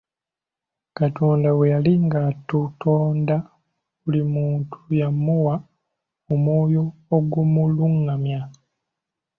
Katonda bwe yali ng'atutonda buli muntu yamuwa omwoyo ogumulungamya.